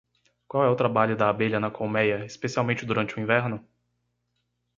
Qual é o trabalho da abelha na colméia, especialmente durante o inverno?